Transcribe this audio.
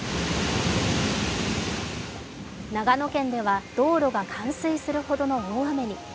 長野県では道路が冠水するほどの大雨に。